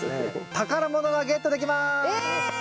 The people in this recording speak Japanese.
宝物がゲットできます！え！